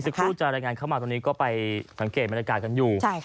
ครูจะรายงานเข้ามาตรงนี้ก็ไปสังเกตบรรยากาศกันอยู่